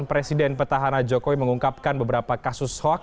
beliau itu memang berani dan jujur